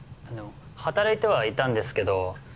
あの働いてはいたんですけど。